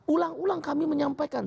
ulang ulang kami menyampaikan